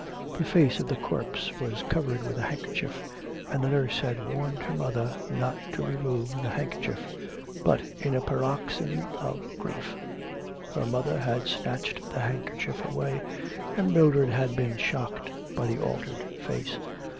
The face of the corpse was covered with a handkerchief, and the nurse had warned her mother not to remove the handkerchief. But, in a paroxysm of grief, her mother had snatched the handkerchief away, and Mildred had been shocked by the altered face.